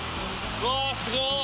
うわぁすごい！